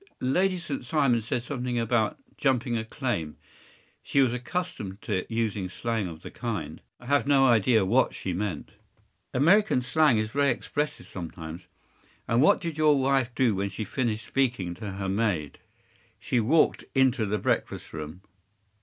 ” “Lady St. Simon said something about ‘jumping a claim.’ She was accustomed to use slang of the kind. I have no idea what she meant.” “American slang is very expressive sometimes. And what did your wife do when she finished speaking to her maid?” “She walked into the breakfast room.